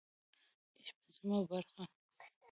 شپږمه برخه